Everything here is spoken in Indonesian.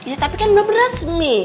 iya tapi kan belum resmi